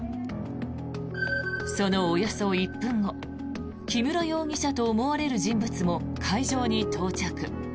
そのおよそ１分後木村容疑者と思われる人物も会場に到着。